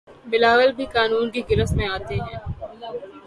بلاول بھی قانون کی گرفت میں آتے ہیں